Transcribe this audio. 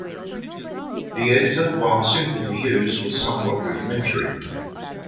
The editor, while simple to use, was somewhat rudimentary.